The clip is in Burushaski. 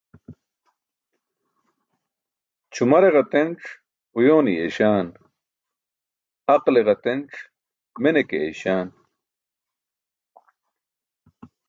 Ćʰumare ģatenc uyoone yeeśaan, aqle ģatenc mene ke eeyśaan.